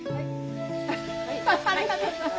ありがとうございます。